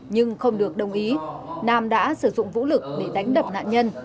nhưng không được đồng ý nam đã sử dụng vũ lực để đánh đập nạn nhân